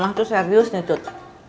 mama tuh serius nih cud